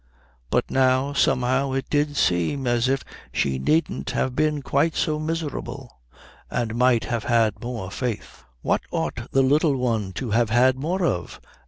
But now somehow it did seem as if she needn't have been quite so miserable, and might have had more faith. "What ought the Little One to have had more of?"